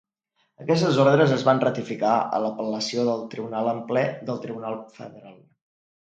Aquestes ordres es van ratificar a l'apel·lació del Tribunal en ple del Tribunal Federal.